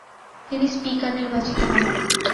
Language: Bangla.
তিনি স্পিকার নির্বাচিত হন।